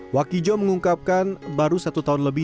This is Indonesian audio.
wakijo mengungkapkan baru satu tahun lebih